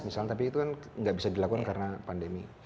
misalnya tapi itu kan nggak bisa dilakukan karena pandemi